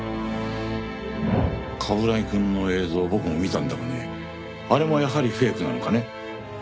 冠城くんの映像を僕も見たんだがねあれもやはりフェイクなのかね？